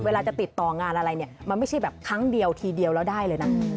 เวลาจะติดต่องานอะไรเนี่ยมันไม่ใช่แบบครั้งเดียวทีเดียวแล้วได้เลยนะ